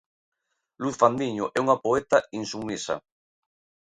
Luz Fandiño é unha poeta insubmisa.